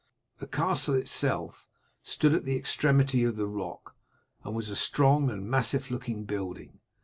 The castle itself stood at the extremity of the rock, and was a strong and massive looking building.